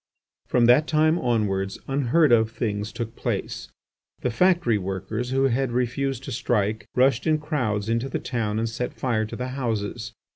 From that time onwards unheard of things took place. The factory workers, who had refused to strike, rushed in crowds into the town and set fire to the houses.